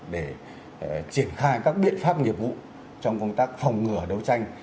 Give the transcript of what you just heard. để triển khai các biện pháp nghiệp vụ trong công tác phòng ngừa đấu tranh